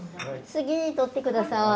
好きに取ってください。